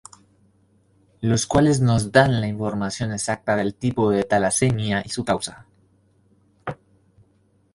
Los cuales nos dan la información exacta del tipo de talasemia y su causa.